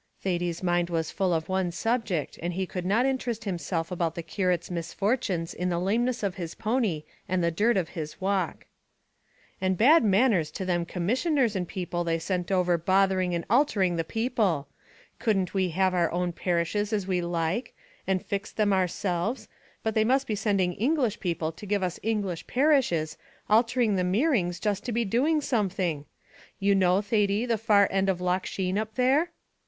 Thady's mind was full of one object, and he could not interest himself about the curate's misfortunes in the lameness of his pony and the dirt of his walk. "And bad manners to them Commissioners and people they sent over bothering and altering the people! Couldn't we have our own parishes as we like, and fix them ourselves, but they must be sending English people to give us English parishes, altering the meerings just to be doing something? You know, Thady, the far end of Loch Sheen up there?"